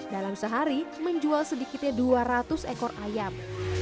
dalam sehari menjual sedikitnya dua ratus ekor ayam